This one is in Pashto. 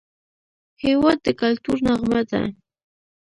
هېواد د کلتور نغمه ده.